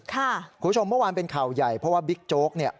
คุณผู้ชมเมื่อวานเป็นข่าวใหญ่เพราะว่าบิ๊กโจ๊กเนี่ย